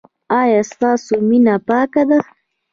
ایا ستاسو مینه پاکه ده؟